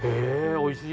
おいしい！